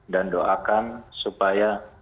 dan doakan supaya